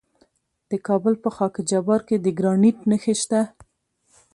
د کابل په خاک جبار کې د ګرانیټ نښې شته.